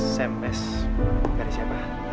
sms dari siapa